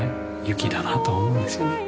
雪だなと思うんですよね。